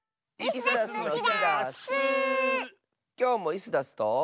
きょうもイスダスと。